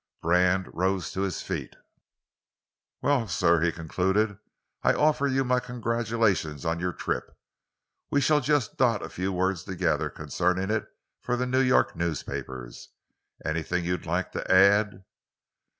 Brand rose to his feet. "Well, sir," he concluded, "I offer you my congratulations on your trip. We shall just dot a few words together concerning it for the New York newspapers. Anything you'd like to add?"